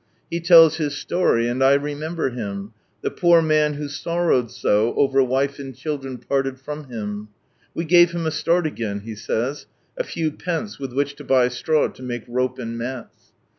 He tells his story, and I re member him — the poor man who sorrowed so over wife and children parted from him. We gave him a start again, he says. (A few pence with which to buy straw to make rope and mats.)